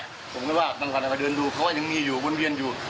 ผมก็ไม่ว่าบางคนก็มาเดินดูเขาว่ายังมีอยู่วนเวียนอยู่